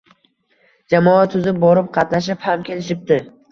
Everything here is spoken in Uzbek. Jamoa tuzib borib qatnashib ham kelishibdi.